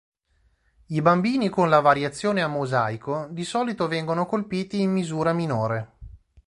I bambini con la variazione a mosaico di solito vengono colpiti in misura minore.